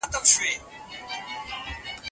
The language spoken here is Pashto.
ځکه هغوی د نورو له تېروتنو زده کړه کوي.